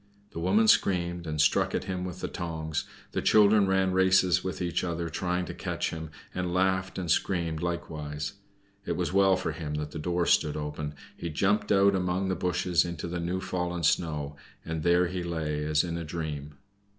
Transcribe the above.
The woman screamed, and struck at him with the tongs, the children ran races with each other trying to catch him, and laughed and screamed likewise. It was well for him that the door stood open. He jumped out among the bushes into the new fallen snow, and there he lay as in a dream.